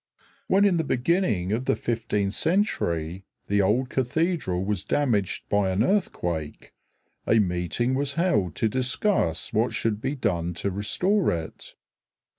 When in the beginning of the fifteenth century the old cathedral was damaged by an earthquake, a meeting was held to discuss what should be done to restore it.